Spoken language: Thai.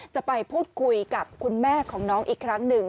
จะไปพูดคุยกับคุณแม่ของน้องอีกครั้งหนึ่ง